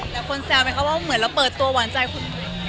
แต่คนแซวไหมคะว่าเหมือนเราเปิดตัวหวานใจคุณ